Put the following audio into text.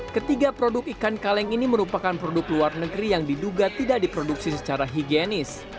ketiga produk ikan kaleng ini merupakan produk luar negeri yang diduga tidak diproduksi secara higienis